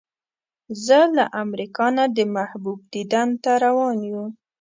زه له امریکا نه د محبوب دیدن ته روان یو.